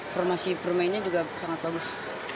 formasi permainnya juga sangat bagus